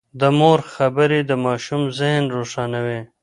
د مور خبرې د ماشوم ذهن روښانوي.